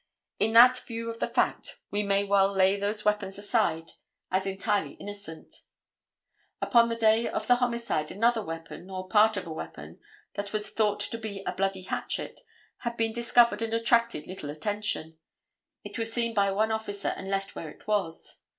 In that view of the fact we may well lay those weapons aside as entirely innocent. Upon the day of the homicide another weapon, or part of a weapon, that was thought to be a bloody hatchet, had been discovered and attracted little attention. It was seen by one officer, and left where it was.